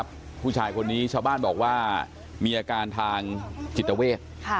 ผู้ชายคนนี้ชาวบ้านบอกว่ามีอาการทางจิตเวท